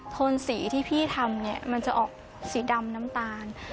โทนสีที่พี่ทำเนี่ยมันจะออกสีดำน้ำตาล